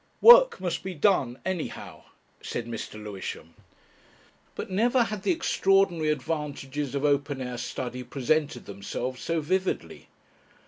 "Work must be done anyhow," said Mr. Lewisham. But never had the extraordinary advantages of open air study presented themselves so vividly.